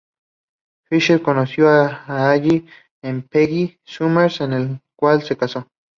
Fisher conoció allí a Peggy Summers, con la cual se casó.